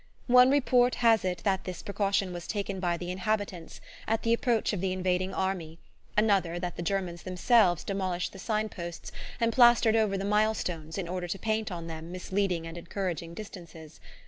One report has it that this precaution was taken by the inhabitants at the approach of the invading army, another that the Germans themselves demolished the sign posts and plastered over the mile stones in order to paint on them misleading and encouraging distances.